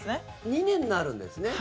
２年になるんですね。